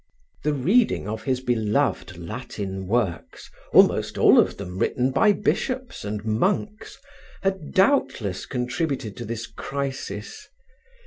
The reading of his beloved Latin works, almost all of them written by bishops and monks, had doubtless contributed to this crisis.